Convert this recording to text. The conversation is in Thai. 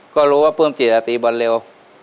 ก็รู้ว่าปลื้มจิตตีบอลเร็ว